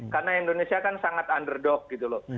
karena indonesia kan sangat underdog gitu loh